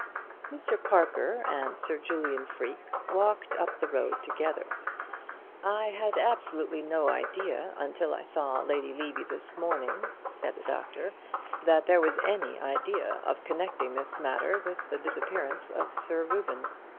Mr. Parker and Sir Julian Freke walked up the road together. "I had absolutely no idea until I saw Lady Levy this morning," said the doctor, "that there was any idea of connecting this matter with the disappearance of Sir Reuben.